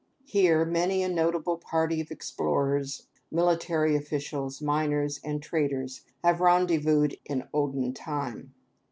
Here, many a notable party of explorers, military officials, miners, and traders have rendezvoused in the olden time.